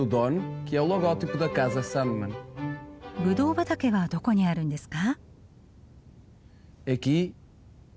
ぶどう畑はどこにあるんですか？